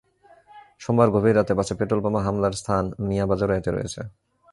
সোমবার গভীর রাতে বাসে পেট্রলবোমা হামলার স্থান মিয়া বাজারও এতে রয়েছে।